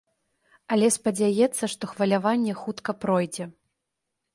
Але спадзяецца, што хваляванне хутка пройдзе.